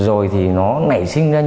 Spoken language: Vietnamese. dù là đi làm thuê hay khai thác gỗ